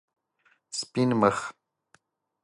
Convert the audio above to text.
سپین مخ